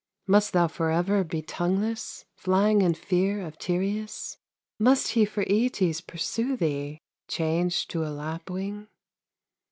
Must thou forever be tongueless, Flying in fear of Tereus? Must he for Itys pursue thee, Changed to a lapwing?